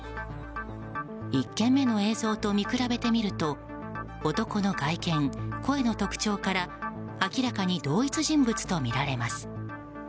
１件目の映像と見比べてみると男の外見、声の特徴から明らかに同一人物とみられます。